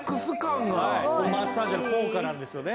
マッサージの効果なんですよね。